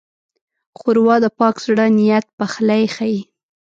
ښوروا د پاک زړه نیت پخلی ښيي.